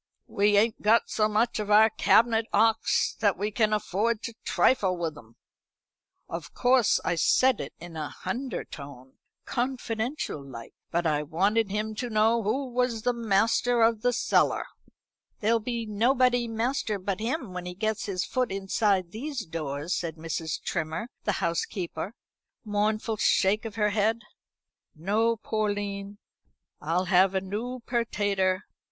We ain't got so much of our cabinet 'ocks that we can afford to trifle with 'em.' Of course I said it in a hundertone, confidential like; but I wanted him to know who was master of the cellar." "There'll be nobody master but him when once he gets his foot inside these doors," said Mrs. Trimmer, the housekeeper, with a mournful shake of her head. "No, Porline, I'll have a noo pertater.